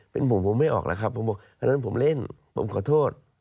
เป็นผมผมไม่ออกแล้วครับผมบอกอันนั้นผมเล่นผมขอโทษ